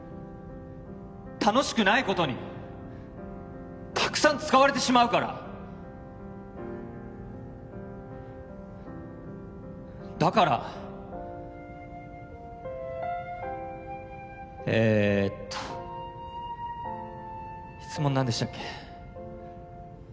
楽しくないことにたくさん使われてしまうからだからえーっと質問何でしたっけ？